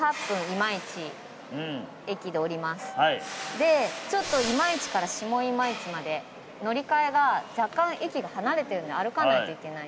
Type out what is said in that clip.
でちょっと今市から下今市まで乗り換えが若干駅が離れてるので歩かないといけない。